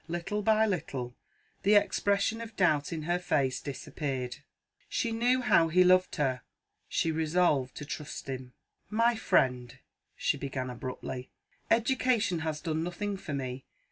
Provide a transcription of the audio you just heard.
Little by little, the expression of doubt in her face disappeared; she knew how he loved her she resolved to trust him. "My friend," she began abruptly, "education has done nothing for me.